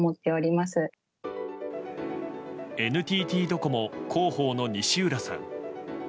ＮＴＴドコモ広報の西浦さん。